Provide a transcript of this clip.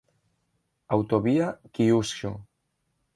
Autovia Kyushu